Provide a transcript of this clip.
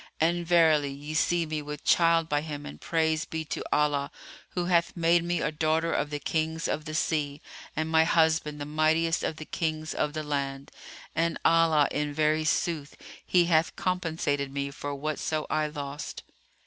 And verily, ye see me with child by him and praise be to Allah, who hath made me a daughter of the Kings of the sea, and my husband the mightiest of the Kings of the land, and Allah, in very sooth, he hath compensated me for whatso I lost."